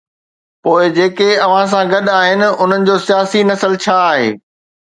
پوءِ جيڪي اوهان سان گڏ آهن انهن جو سياسي نسل ڇا آهي؟